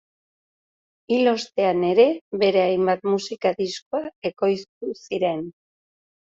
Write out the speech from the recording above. Hil ostean ere bere hainbat musika diskoa ekoiztu ziren.